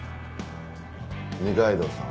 二階堂さん。